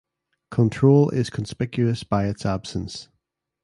Control is conspicuous by its absence.